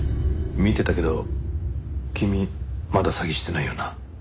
見てたけど君まだ詐欺してないよな？